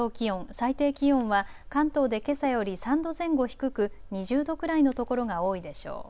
最低気温は関東でけさより３度前後低く２０度くらいの所が多いでしょう。